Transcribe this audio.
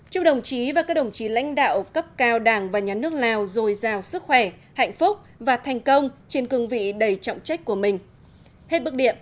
chúc đồng chí và các đồng chí lãnh đạo cấp cao đảng và nhà nước lào dồi dào sức khỏe hạnh phúc và thành công trên cương vị đầy trọng trách của mình